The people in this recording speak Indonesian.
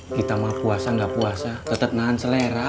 kita mah puasa nggak puasa tetep nahan selera